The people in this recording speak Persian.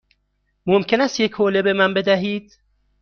ممکن است یک حوله به من بدهید؟